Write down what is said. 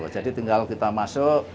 jadi tinggal kita masuk